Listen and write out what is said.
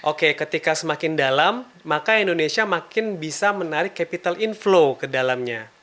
oke ketika semakin dalam maka indonesia makin bisa menarik capital inflow ke dalamnya